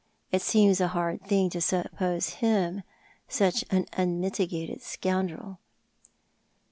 It seems a hard thing to suppose him such an unmitigated scoundrel."